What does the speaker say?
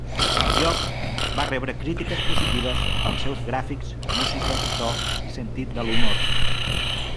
El joc va rebre crítiques positives pels seus gràfics, música, so, i sentit de l'humor.